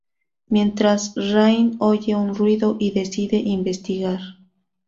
Mientras, Rain oye un ruido y decide investigar.